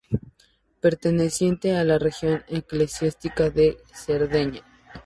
Perteneciente a la región eclesiástica de Cerdeña.